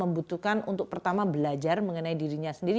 membutuhkan untuk pertama belajar mengenai dirinya sendiri